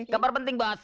kabar penting bos